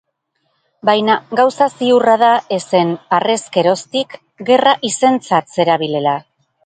Baina gauza ziurra da ezen, harrezkeroztik, gerra izentzat zerabilela.